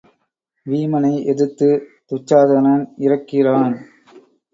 வீமனை எதிர்த்துத் துச்சாதனன் இறக் கிறான்.